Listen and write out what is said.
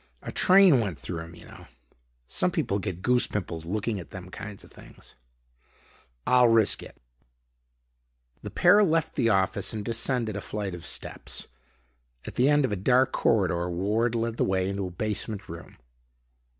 A train went through him you know. Some people get goose pimples looking at them kind of things." "I'll risk it." The pair left the office and descended a flight of steps. At the end of a dark corridor, Ward led the way into a basement room.